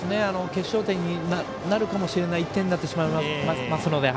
決勝点になるかもしれない１点になってしまいますので。